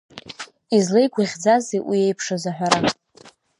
Излеигәаӷьӡазеи уи еиԥшыз аҳәара?